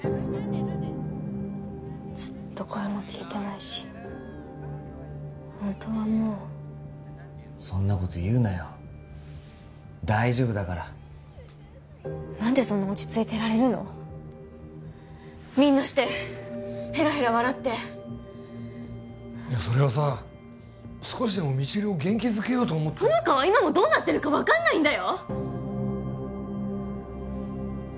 ずっと声も聞いてないし本当はもうそんなこと言うなよ大丈夫だから何でそんな落ち着いてられるのみんなしてヘラヘラ笑っていやそれはさ少しでも未知留を元気づけようと思って友果は今もどうなってるか分かんないんだよ！？